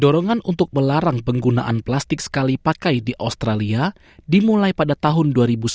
dorongan untuk melarang penggunaan plastik sekali pakai di australia dimulai pada tahun dua ribu sembilan belas